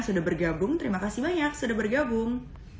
sudah bergabung terima kasih banyak sudah bergabung